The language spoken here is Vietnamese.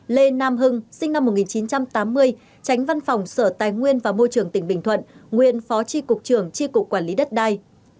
năm lê nam hưng sinh năm một nghìn chín trăm tám mươi tránh văn phòng sở tài nguyên và môi trường tỉnh bình thuận nguyên phó tri cục trường tri cục quản lý đất đai